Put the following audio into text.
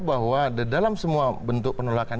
bahwa dalam semua bentuk penolakan